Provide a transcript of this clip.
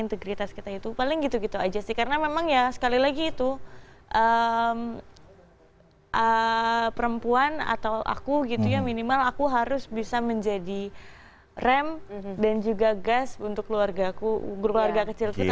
integritas kita itu paling gitu gitu aja sih karena memang ya sekali lagi itu perempuan atau aku gitu ya minimal aku harus bisa menjadi rem dan juga gas untuk keluarga aku berkeluarga kecil kita